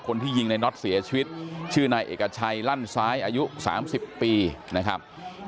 คนที่ยิงในน็อตเสียชีวิตชื่อนายเอกชัยลั่นซ้ายอายุ๓๐ปีนะครับ